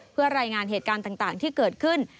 เพื่อรายงานเหตุการณ์ต่างที่เกิดขึ้น